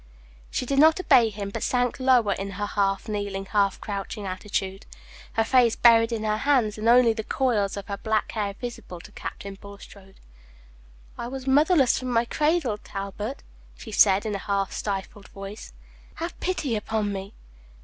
She did not obey him, but sank lower in her half kneeling, half crouching attitude, her face buried in her hands, and only the coils of her black hair visible to Captain Bulstrode. "I was motherless from my cradle, Talbot," she said, in a half stifled voice. "Have pity upon me."